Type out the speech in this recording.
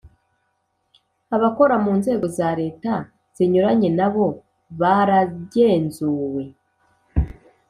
abakora mu nzego za leta zinyuranye nabo baragenzuwe ,